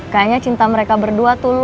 kayaknya cinta mereka berdua tuh lu